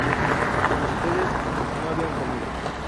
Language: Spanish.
Ustedes no habían comido